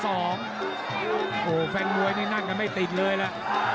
โอ้โหแฟนมวยนี่นั่งกันไม่ติดเลยล่ะ